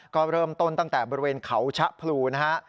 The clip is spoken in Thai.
ก็เริ่มต้นตั้งแต่บริเวณเขาชะพลูนะฮะ